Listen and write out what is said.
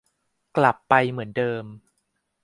กลับไปเหมือนเดิม